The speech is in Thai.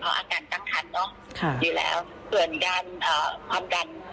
เพราะอาการตั้งคันเนอะค่ะอยู่แล้วส่วนการความดัน